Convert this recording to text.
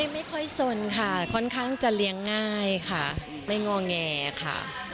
ไม่ค่อยสนค่ะค่อนข้างจะเลี้ยงง่ายค่ะไม่งอแงค่ะ